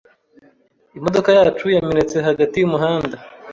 Imodoka yacu yamenetse hagati yumuhanda.